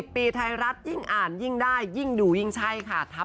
ปีไทยรัฐยิ่งอ่านยิ่งได้ยิ่งดูยิ่งใช่ค่ะ